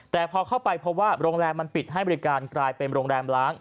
แต่พอเข้าไปพบว่าโรงแรมมันปิดให้บริการกลายเป็นโรงแรมล้าง